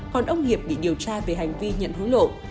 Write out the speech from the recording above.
còn ông hiệp để điều tra về hành vi nhận hối lộ